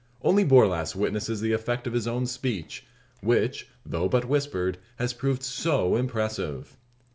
Only Borlasse witnesses the effect of his own speech; which, though but whispered, has proved so impressive.